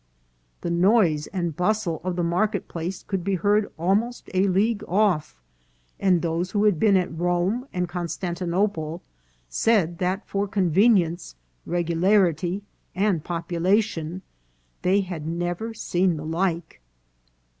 " The noise and bustle of the market place could be heard almost a league off, and those who had been at Rome and Constantinople said that for convenience, regularity, and population they had never seen the like."